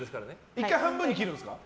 １回半分に切るんですか？